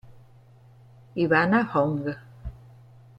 Ivana Hong